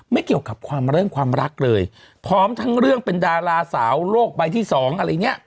ไม่เกี่ยวกับความเรื่องความรักเลยพร้อมทั้งเรื่องเป็นดาราสาวโลกใบที่สองอะไรเนี้ย